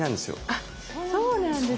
あっそうなんですね。